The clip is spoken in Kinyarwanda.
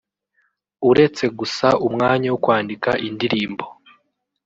“Uretse gusa umwanya wo kwandika indirimbo